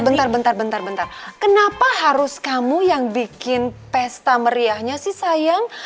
bentar bentar bentar bentar kenapa harus kamu yang bikin pesta meriahnya sih sayang